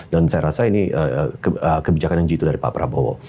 saya rasa ini kebijakan yang jitu dari pak prabowo